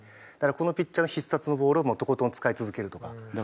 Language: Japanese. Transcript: このピッチャーの必殺のボールをとことん使い続けるとか。